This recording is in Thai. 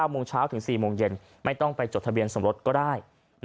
โมงเช้าถึง๔โมงเย็นไม่ต้องไปจดทะเบียนสมรสก็ได้